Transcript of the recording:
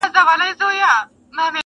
هره ورځ به يې د شپې لور ته تلوار وو،